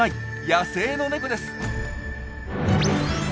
野生のネコです。